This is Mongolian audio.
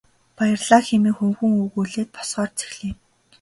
Баярлалаа хэмээн хөвгүүн өгүүлээд босохоор зэхлээ.